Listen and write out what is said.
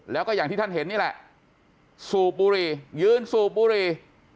แล้วก็อย่างที่ท่านเห็นนี่แหละสูบบุหรี่ยืนสูบบุหรี่